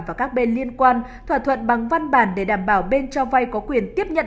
và các bên liên quan thỏa thuận bằng văn bản để đảm bảo bên cho vay có quyền tiếp nhận